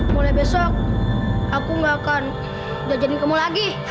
mulai besok aku gak akan diajarin kamu lagi